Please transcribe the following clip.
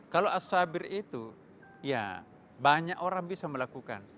kalau as sabir itu ya banyak orang bisa melakukan